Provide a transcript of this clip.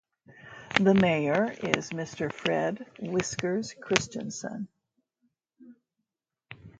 The mayor is Mr. Fred "Whiskers" Christensen.